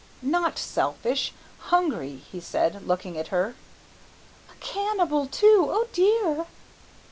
"Not selfish, hungry," he said, looking at her. "A cannibal too; oh dear!"